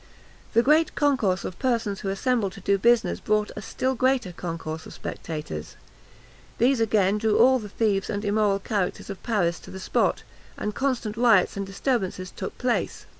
The great concourse of persons who assembled to do business brought a still greater concourse of spectators. These again drew all the thieves and immoral characters of Paris to the spot, and constant riots and disturbances took place.